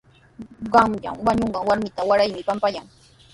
Qanyan wañunqan warmita waraymi pampayanqa.